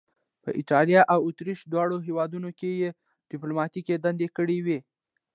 په ایټالیا او اتریش دواړو هیوادونو کې یې دیپلوماتیکې دندې کړې وې.